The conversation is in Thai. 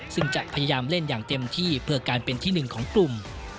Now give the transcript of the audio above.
ซึ่งจะพยายามเล่นอย่างเต็มที่เพื่อการเป็นที่หนึ่งของกลุ่ม